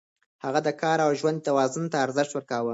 هغه د کار او ژوند توازن ته ارزښت ورکاوه.